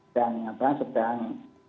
dan apa sedang